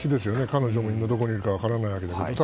彼女が今、どこにいるか分からないわけですから。